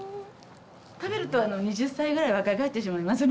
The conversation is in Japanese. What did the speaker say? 食べると２０歳ぐらい若返ってしまいますので。